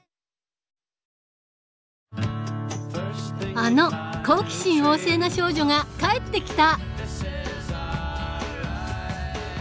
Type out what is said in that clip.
あの好奇心旺盛な少女が帰ってきた！